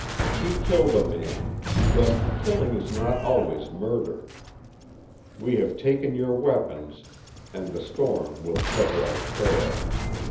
He killed a man, but killing is not always murder. We have taken your weapons, and the storm will cover our trail.